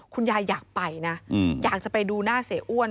คุณยายอยากไปนะอยากจะไปดูหน้าเสียอ้วน